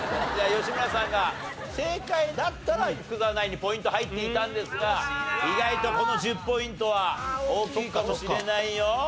吉村さんが正解だったら福澤ナインにポイント入っていたんですが意外とこの１０ポイントは大きいかもしれないよ。